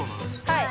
はい。